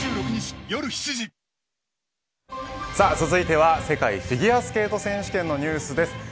続いては世界フィギュアスケート選手権のニュースです。